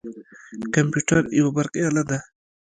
کمپیوتر یوه برقي اله ده.